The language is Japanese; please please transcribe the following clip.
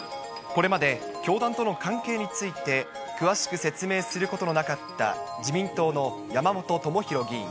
これまで教団との関係について、詳しく説明することのなかった自民党の山本朋広議員。